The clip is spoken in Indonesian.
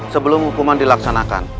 sebelum hukuman dilaksanakan